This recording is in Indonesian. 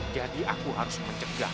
jadi aku harus mencegah